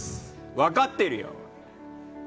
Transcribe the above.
分かってるよ！